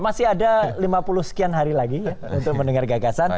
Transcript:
masih ada lima puluh sekian hari lagi ya untuk mendengar gagasan